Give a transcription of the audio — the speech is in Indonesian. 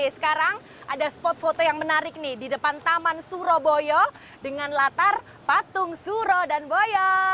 sekarang ada spot foto yang menarik nih di depan taman surabaya dengan latar patung suro dan boyo